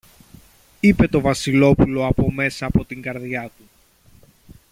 είπε το Βασιλόπουλο από μέσα από την καρδιά του.